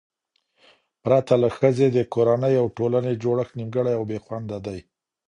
پرته له ښځې، د کورنۍ او ټولنې جوړښت نیمګړی او بې خونده دی